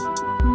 ada apa yun